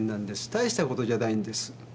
大したことじゃないんです。